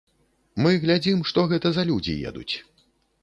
Мы глядзім, што гэта за людзі едуць.